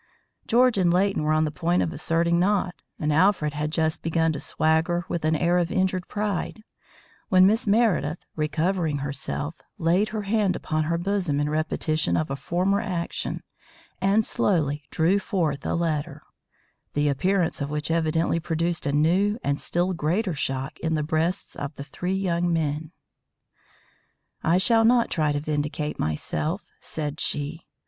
George and Leighton were on the point of asserting not, and Alfred had just begun to swagger with an air of injured pride, when Miss Meredith, recovering herself, laid her hand upon her bosom in repetition of her former action, and slowly drew forth a letter, the appearance of which evidently produced a new and still greater shock in the breasts of the three young men. "I shall not try to vindicate myself," said she.